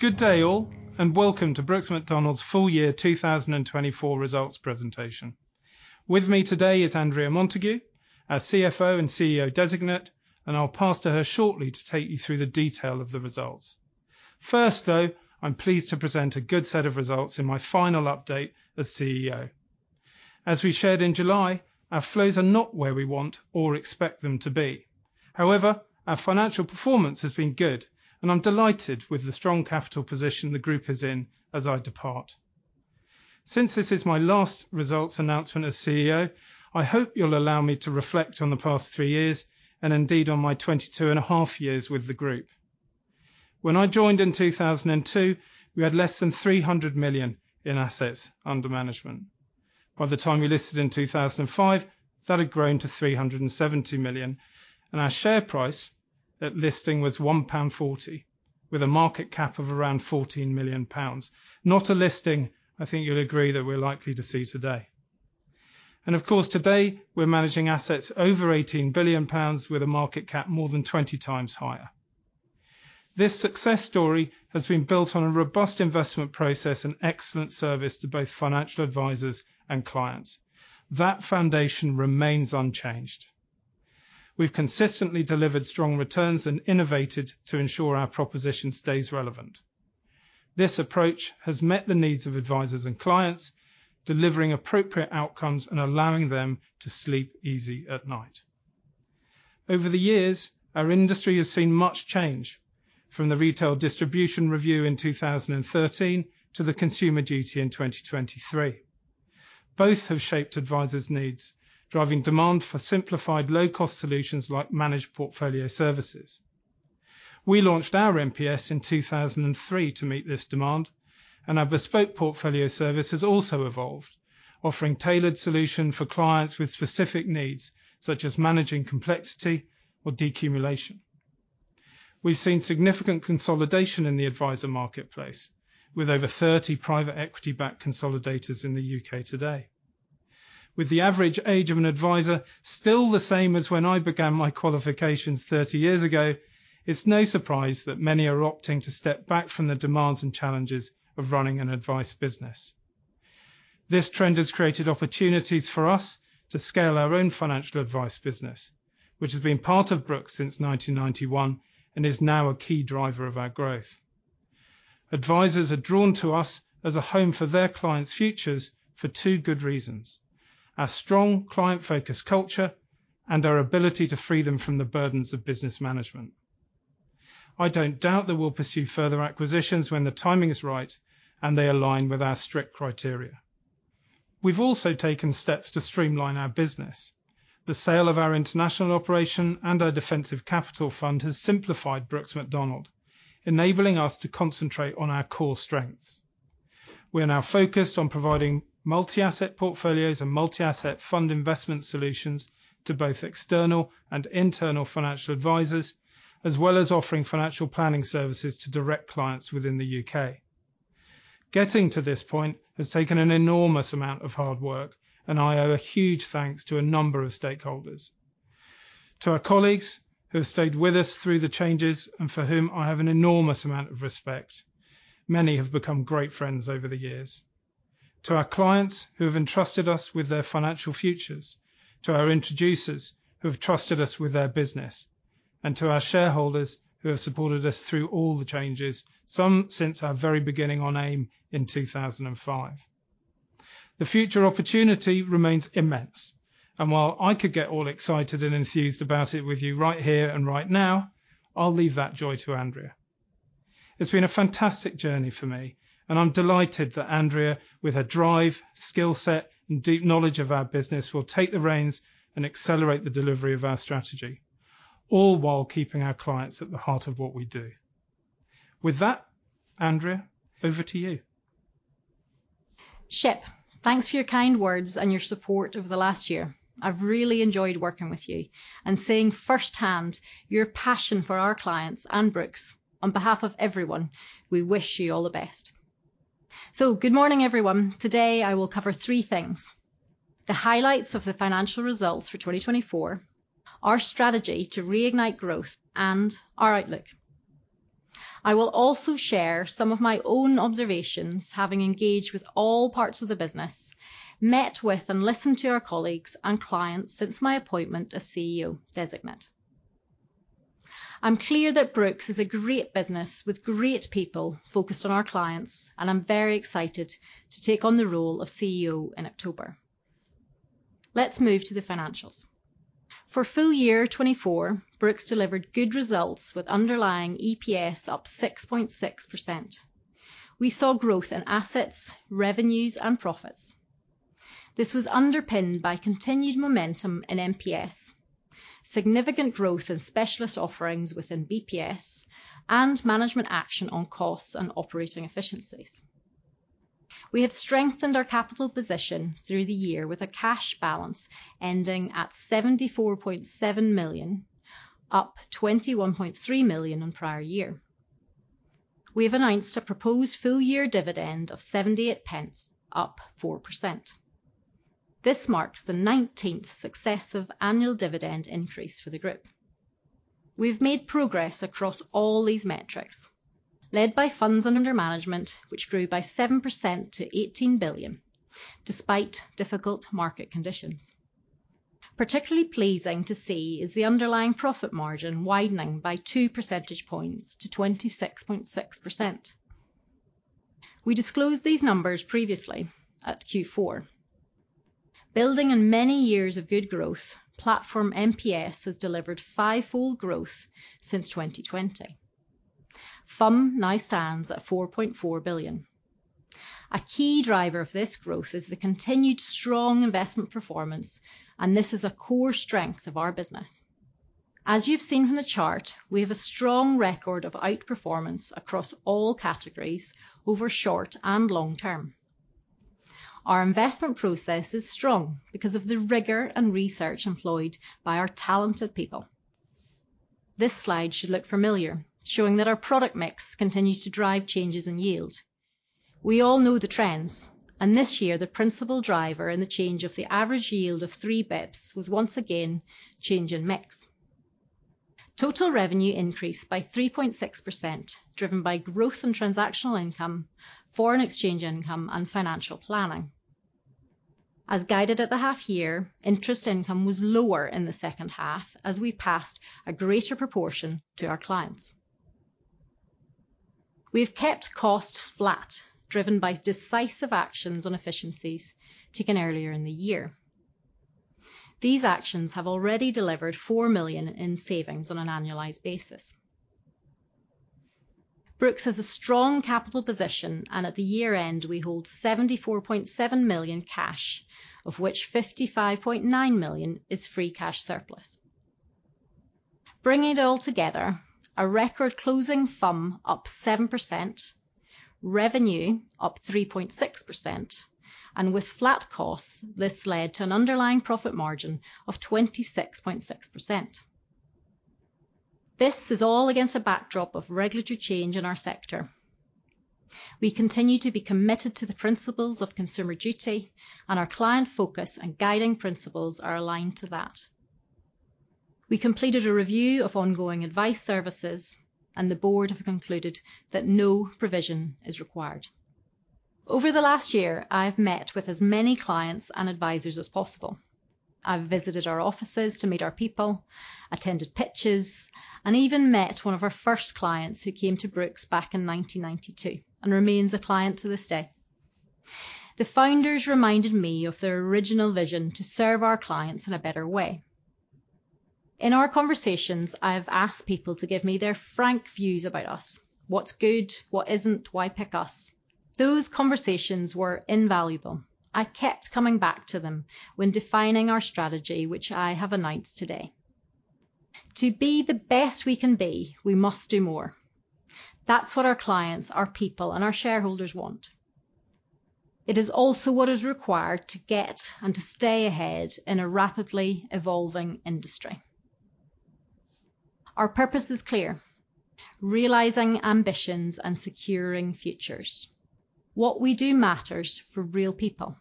Good day, all, and welcome to Brooks Macdonald's full year 2024 results presentation. With me today is Andrea Montague, our CFO and CEO designate, and I'll pass to her shortly to take you through the detail of the results. First, though, I'm pleased to present a good set of results in my final update as CEO. As we shared in July, our flows are not where we want or expect them to be. However, our financial performance has been good, and I'm delighted with the strong capital position the group is in as I depart. Since this is my last results announcement as CEO, I hope you'll allow me to reflect on the past three years and indeed on my twenty-two and a half years with the group. When I joined in 2002, we had less than 300 million in assets under management. By the time we listed in 2005, that had grown to 370 million, and our share price at listing was 1.40 pound, with a market cap of around 14 million pounds. Not a listing, I think you'll agree, that we're likely to see today. Of course, today, we're managing assets over 18 billion pounds with a market cap more than 20x higher. This success story has been built on a robust investment process and excellent service to both financial advisors and clients. That foundation remains unchanged. We've consistently delivered strong returns and innovated to ensure our proposition stays relevant. This approach has met the needs of advisors and clients, delivering appropriate outcomes and allowing them to sleep easy at night. Over the years, our industry has seen much change, from the Retail Distribution Review in 2013 to the Consumer Duty in 2023. Both have shaped advisors' needs, driving demand for simplified, low-cost solutions like managed portfolio services. We launched our MPS in 2003 to meet this demand, and our Bespoke Portfolio Service has also evolved, offering tailored solution for clients with specific needs, such as managing complexity or decumulation. We've seen significant consolidation in the advisor marketplace, with over 30 private equity-backed consolidators in the U.K. today. With the average age of an advisor still the same as when I began my qualifications 30 years ago, it's no surprise that many are opting to step back from the demands and challenges of running an advice business. This trend has created opportunities for us to scale our own financial advice business, which has been part of Brooks since 1991 and is now a key driver of our growth. Advisors are drawn to us as a home for their clients' futures for two good reasons: our strong client-focused culture and our ability to free them from the burdens of business management. I don't doubt that we'll pursue further acquisitions when the timing is right, and they align with our strict criteria. We've also taken steps to streamline our business. The sale of our international operation and our Defensive Capital Fund has simplified Brooks Macdonald, enabling us to concentrate on our core strengths. We are now focused on providing multi-asset portfolios and multi-asset fund investment solutions to both external and internal financial advisors, as well as offering financial planning services to direct clients within the U.K. Getting to this point has taken an enormous amount of hard work, and I owe a huge thanks to a number of stakeholders. To our colleagues, who have stayed with us through the changes and for whom I have an enormous amount of respect. Many have become great friends over the years. To our clients, who have entrusted us with their financial futures, to our introducers, who have trusted us with their business, and to our shareholders, who have supported us through all the changes, some since our very beginning on AIM in 2005. The future opportunity remains immense, and while I could get all excited and enthused about it with you right here and right now, I'll leave that joy to Andrea. It's been a fantastic journey for me, and I'm delighted that Andrea, with her drive, skill set, and deep knowledge of our business, will take the reins and accelerate the delivery of our strategy, all while keeping our clients at the heart of what we do. With that, Andrea, over to you. Sure, thanks for your kind words and your support over the last year. I've really enjoyed working with you and seeing firsthand your passion for our clients and Brooks. On behalf of everyone, we wish you all the best. So good morning, everyone. Today, I will cover three things: the highlights of the financial results for 2024, our strategy to reignite growth, and our outlook. I will also share some of my own observations, having engaged with all parts of the business, met with and listened to our colleagues and clients since my appointment as CEO designate. I'm clear that Brooks is a great business with great people focused on our clients, and I'm very excited to take on the role of CEO in October. Let's move to the financials. For full-year 2024, Brooks delivered good results, with underlying EPS up 6.6%. We saw growth in assets, revenues, and profits. This was underpinned by continued momentum in MPS, significant growth in specialist offerings within BPS, and management action on costs and operating efficiencies. We have strengthened our capital position through the year with a cash balance ending at 74.7 million, up 21.3 million on prior-year. We have announced a proposed full-year dividend of 78 pence, up 4%. This marks the 19th successive annual dividend increase for the group. We've made progress across all these metrics, led by funds under management, which grew by 7% to 18 billion, despite difficult market conditions. Particularly pleasing to see is the underlying profit margin widening by two percentage points to 26.6%. We disclosed these numbers previously at Q4. Building on many years of good growth, platform MPS has delivered fivefold growth since 2020. FUM now stands at 4.4 billion. A key driver of this growth is the continued strong investment performance, and this is a core strength of our business. As you've seen from the chart, we have a strong record of outperformance across all categories, over short and long term. Our investment process is strong because of the rigor and research employed by our talented people. This slide should look familiar, showing that our product mix continues to drive changes in yield. We all know the trends, and this year the principal driver in the change of the average yield of three basis points was once again change in mix. Total revenue increased by 3.6%, driven by growth in transactional income, foreign exchange income, and financial planning. As guided at the half year, interest income was lower in the second half as we passed a greater proportion to our clients. We've kept costs flat, driven by decisive actions on efficiencies taken earlier in the year. These actions have already delivered 4 million in savings on an annualized basis. Brooks has a strong capital position, and at the year-end, we hold 74.7 million cash, of which 55.9 million is free cash surplus. Bringing it all together, a record closing FUM up 7%, revenue up 3.6%, and with flat costs, this led to an underlying profit margin of 26.6%. This is all against a backdrop of regulatory change in our sector. We continue to be committed to the principles of Consumer Duty, and our client focus and guiding principles are aligned to that. We completed a review of ongoing advice services, and the board have concluded that no provision is required. Over the last-year, I've met with as many clients and advisors as possible. I've visited our offices to meet our people, attended pitches, and even met one of our first clients who came to Brooks back in 1992 and remains a client to this day. The founders reminded me of their original vision to serve our clients in a better way. In our conversations, I have asked people to give me their frank views about us: what's good, what isn't, why pick us? Those conversations were invaluable. I kept coming back to them when defining our strategy, which I have announced today. To be the best we can be, we must do more. That's what our clients, our people, and our shareholders want. It is also what is required to get and to stay ahead in a rapidly evolving industry. Our purpose is clear: realizing ambitions and securing futures. What we do matters for real people.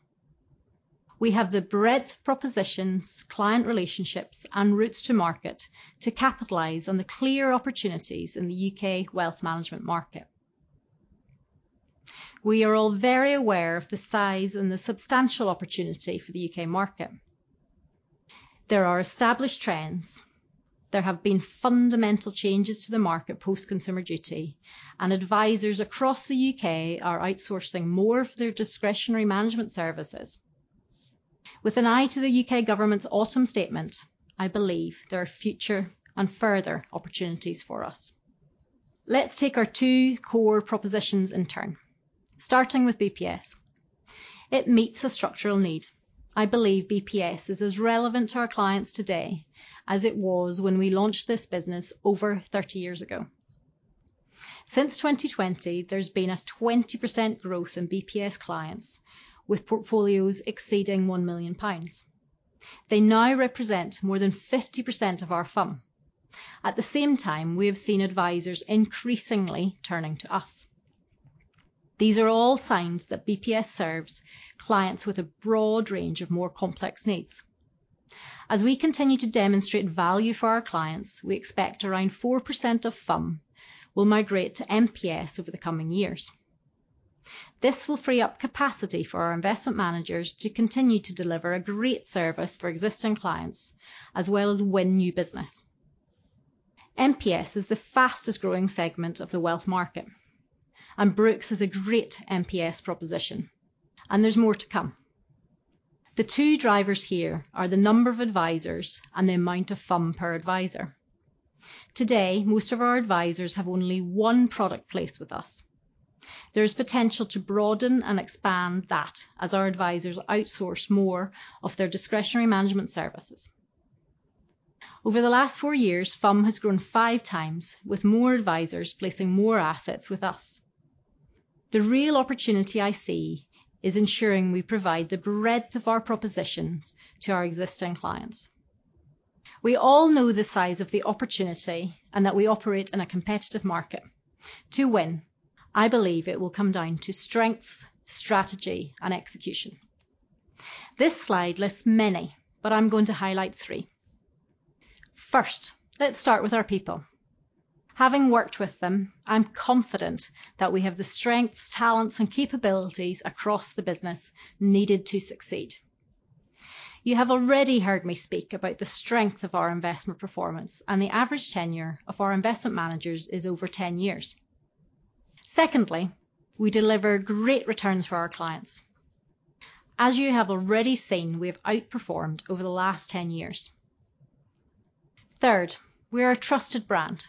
We have the breadth, propositions, client relationships, and routes to market to capitalize on the clear opportunities in the U.K. wealth management market. We are all very aware of the size and the substantial opportunity for the U.K. market. There are established trends. There have been fundamental changes to the market post-Consumer Duty, and advisors across the U.K. are outsourcing more of their discretionary management services. With an eye to the U.K. government's Autumn Statement, I believe there are future and further opportunities for us. Let's take our two core propositions in turn. Starting with BPS, it meets a structural need. I believe BPS is as relevant to our clients today as it was when we launched this business over 30 years ago. Since 2020, there's been a 20% growth in BPS clients, with portfolios exceeding 1 million pounds. They now represent more than 50% of our FUM. At the same time, we have seen advisors increasingly turning to us. These are all signs that BPS serves clients with a broad range of more complex needs. As we continue to demonstrate value for our clients, we expect around 4% of FUM will migrate to MPS over the coming years. This will free up capacity for our investment managers to continue to deliver a great service for existing clients, as well as win new business. MPS is the fastest growing segment of the wealth market, and Brooks has a great MPS proposition, and there's more to come. The two drivers here are the number of advisors and the amount of FUM per advisor. Today, most of our advisors have only one product placed with us. There is potential to broaden and expand that as our advisors outsource more of their discretionary management services. Over the last four years, FUM has grown five times, with more advisors placing more assets with us. The real opportunity I see is ensuring we provide the breadth of our propositions to our existing clients…. We all know the size of the opportunity, and that we operate in a competitive market. To win, I believe it will come down to strengths, strategy, and execution. This slide lists many, but I'm going to highlight three. First, let's start with our people. Having worked with them, I'm confident that we have the strengths, talents, and capabilities across the business needed to succeed. You have already heard me speak about the strength of our investment performance, and the average tenure of our investment managers is over 10 years. Secondly, we deliver great returns for our clients. As you have already seen, we have outperformed over the last 10 years. Third, we are a trusted brand.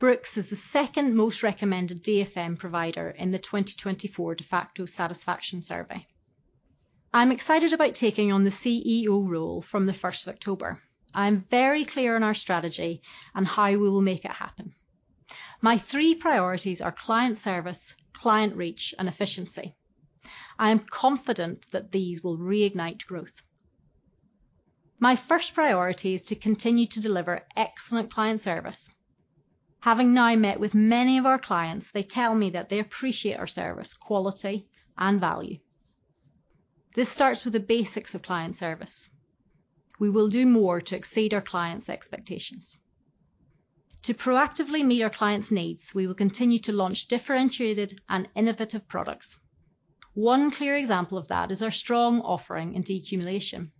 Brooks is the second most recommended DFM provider in the 2024 Defaqto Satisfaction Survey. I'm excited about taking on the CEO role from the first of October. I'm very clear on our strategy and how we will make it happen. My three priorities are client service, client reach, and efficiency. I am confident that these will reignite growth. My first priority is to continue to deliver excellent client service. Having now met with many of our clients, they tell me that they appreciate our service, quality, and value. This starts with the basics of client service. We will do more to exceed our clients' expectations. To proactively meet our clients' needs, we will continue to launch differentiated and innovative products. One clear example of that is our strong offering in decumulation.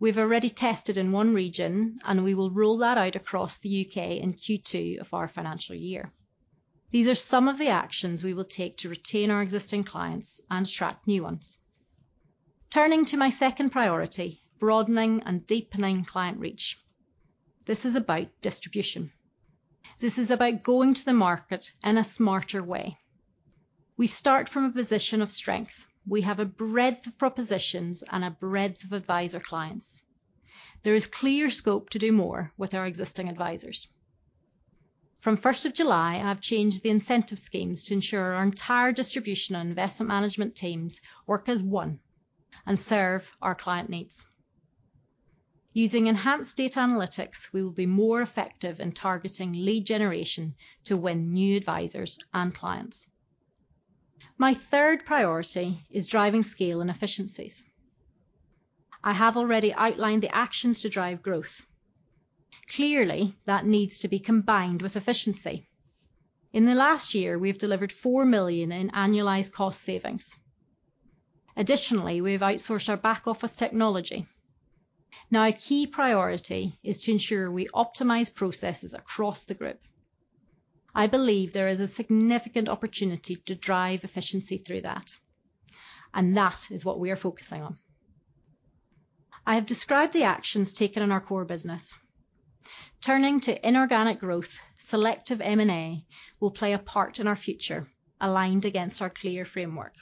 We've already tested in one region, and we will roll that out across the U.K. in Q2 of our financial year. These are some of the actions we will take to retain our existing clients and attract new ones. Turning to my second priority, broadening and deepening client reach. This is about distribution. This is about going to the market in a smarter way. We start from a position of strength. We have a breadth of propositions and a breadth of advisor clients. There is clear scope to do more with our existing advisors. From first of July, I've changed the incentive schemes to ensure our entire distribution and investment management teams work as one and serve our client needs. Using enhanced data analytics, we will be more effective in targeting lead generation to win new advisors and clients. My third priority is driving scale and efficiencies. I have already outlined the actions to drive growth. Clearly, that needs to be combined with efficiency. In the last year, we have delivered 4 million in annualized cost savings. Additionally, we have outsourced our back office technology. Now, a key priority is to ensure we optimize processes across the group. I believe there is a significant opportunity to drive efficiency through that, and that is what we are focusing on. I have described the actions taken in our core business. Turning to inorganic growth, selective M&A will play a part in our future, aligned against our clear framework.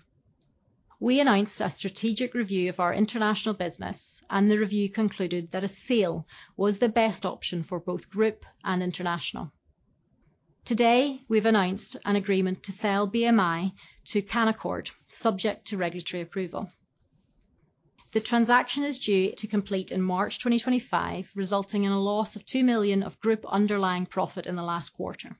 We announced a strategic review of our international business, and the review concluded that a sale was the best option for both group and international. Today, we've announced an agreement to sell BMI to Canaccord, subject to regulatory approval. The transaction is due to complete in March 2025, resulting in a loss of 2 million of group underlying profit in the last quarter.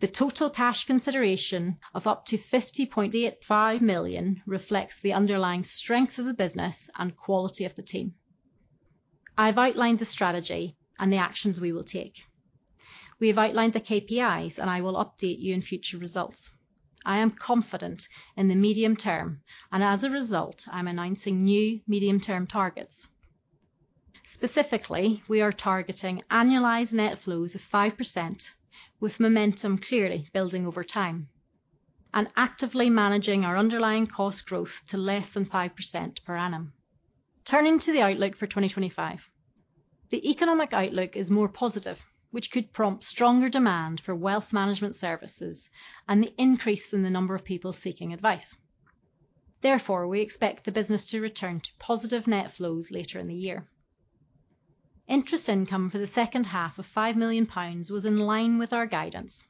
The total cash consideration of up to 50.85 million reflects the underlying strength of the business and quality of the team. I've outlined the strategy and the actions we will take. We have outlined the KPIs, and I will update you in future results. I am confident in the medium term, and as a result, I'm announcing new medium-term targets. Specifically, we are targeting annualized net flows of 5%, with momentum clearly building over time, and actively managing our underlying cost growth to less than 5% per annum. Turning to the outlook for 2025. The economic outlook is more positive, which could prompt stronger demand for wealth management services and the increase in the number of people seeking advice. Therefore, we expect the business to return to positive net flows later in the year. Interest income for the second half of 5 million pounds was in line with our guidance.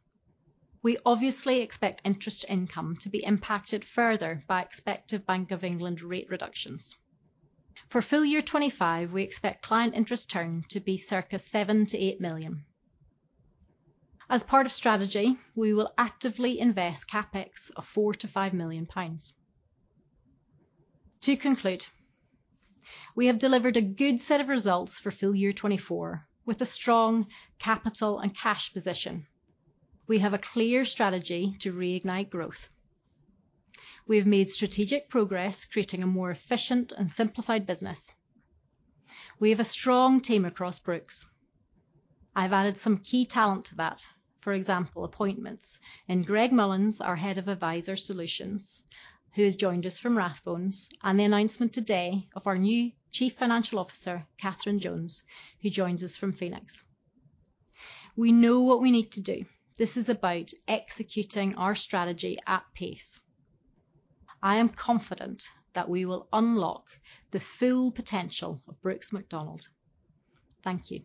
We obviously expect interest income to be impacted further by expected Bank of England rate reductions. For full-year 2025, we expect client interest return to be circa 7-8 million. As part of strategy, we will actively invest CapEx of 4-5 million pounds. To conclude, we have delivered a good set of results for full year 2024, with a strong capital and cash position. We have a clear strategy to reignite growth. We have made strategic progress, creating a more efficient and simplified business. We have a strong team across Brooks. I've added some key talent to that. For example, appointments, and Greg Mullins, our Head of Adviser Solutions, who has joined us from Rathbones, and the announcement today of our new Chief Financial Officer, Catherine Jones, who joins us from Phoenix. We know what we need to do. This is about executing our strategy at pace. I am confident that we will unlock the full potential of Brooks Macdonald. Thank you.